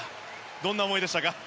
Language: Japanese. どんな思いでしたか？